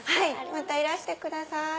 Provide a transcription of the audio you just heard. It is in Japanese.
またいらしてください。